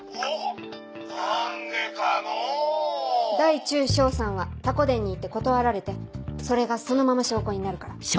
ダイチュウショウさんはたこ伝に行って断られてそれがそのまま証拠になるから。